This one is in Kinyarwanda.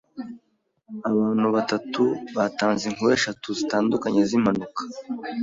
Abantu batatu batanze inkuru eshatu zitandukanye zimpanuka.